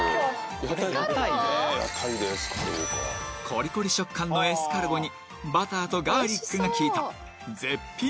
コリコリ食感のエスカルゴにバターとガーリックが効いた絶品！